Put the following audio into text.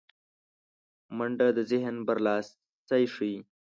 منډه د ذهن برلاسی ښيي